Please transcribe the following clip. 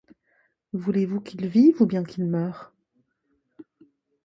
Voulez-vous qu’il vive ou bien qu’il meure ?